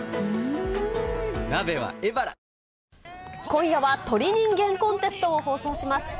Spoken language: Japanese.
今夜は、鳥人間コンテストを放送します。